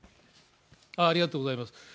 ありがとうございます。